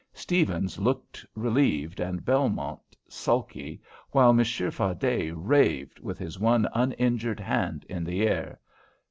Stephens looked relieved, and Belmont sulky, while Monsieur Fardet raved, with his one uninjured hand in the air.